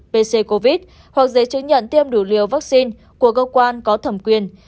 pc covid hoặc giấy chứng nhận tiêm đủ liều vaccine của cơ quan có thẩm quyền